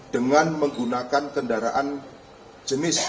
dengan menggunakan kendaraan jenis